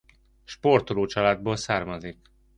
Sportoló családból származik.